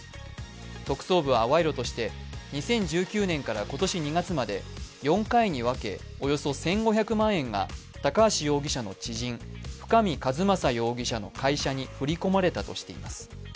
特捜部は、賄賂として、２０１９年から今年２月まで４回に分け、およそ１５００万円が高橋容疑者の知人深見和政容疑者の会社に振り込まれたとしています。